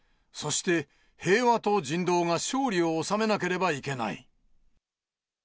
そして平和と人道が勝利を収めなければいけない。